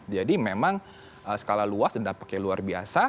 jadi memang skala luas dan dampaknya luar biasa